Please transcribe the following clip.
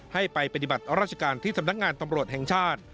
ให้ไปปฏิบัติราชการที่สำนักงานตำรวจแห่งชาติ